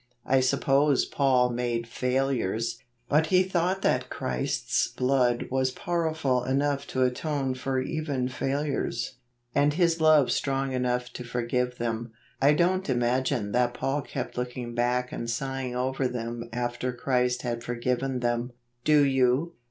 I suppose Paul made failures, but he thought that Christ's blood was powerful enough to atone for even failures, and His love strong enough to forgive them. I don't imagine that Paul kept looking back and sighing over them after Christ had forgiven them. Do you?